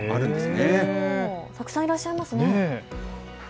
たくさんいらっしゃいますね。